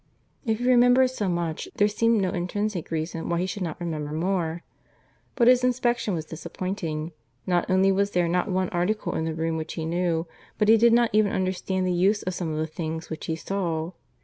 If he remembered so much, there seemed no intrinsic reason why he should not remember more. But his inspection was disappointing. Not only was there not one article in the room which he knew, but he did not even understand the use of some of the things which he saw.